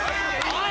おい！